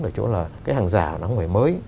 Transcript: ở chỗ là cái hàng giả nó không phải mới